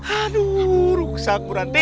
aduh rusak purwanti